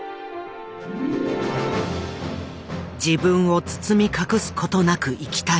自分を包み隠す事なく生きたい。